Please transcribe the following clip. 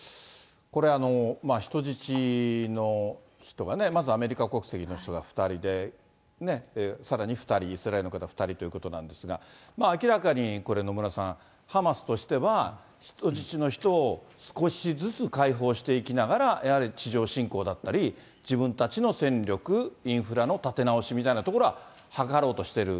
これ、人質の人がね、まずアメリカ国籍の人が２人でね、さらに２人、イスラエルの方２人ということなんですが、明らかにこれ、野村さん、ハマスとしては、人質の人を少しずつ解放していきながら、やはり地上侵攻だったり、自分たちの戦力、インフラの立て直しみたいなところは図ろうとしてる。